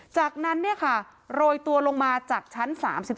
จากนั้นเนี่ยค่ะโรยตัวลงมาจากชั้น๓๒